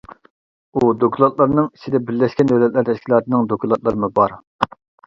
ئۇ دوكلاتلارنىڭ ئىچىدە بىرلەشكەن دۆلەتلەر تەشكىلاتىنىڭ دوكلاتلىرىمۇ بار.